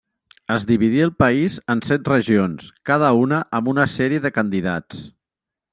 Es dividí el país en set regions, cada una amb una sèrie de candidats.